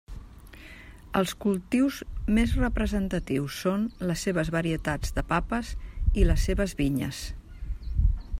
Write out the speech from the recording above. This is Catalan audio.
Els cultius més representatius són les seves varietats de papes i les seves vinyes.